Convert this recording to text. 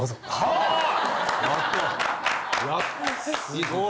すごい。